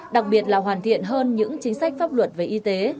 đặc biệt là hoàn thiện hơn những chính sách pháp luật về y tế